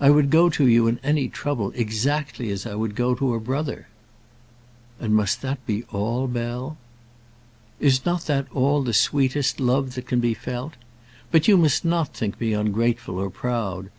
I would go to you in any trouble, exactly as I would go to a brother." "And must that be all, Bell?" "Is not that all the sweetest love that can be felt? But you must not think me ungrateful, or proud.